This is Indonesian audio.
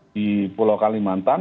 di pulau kalimantan